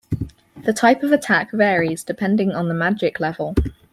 The type of attack varies depending on the magic level.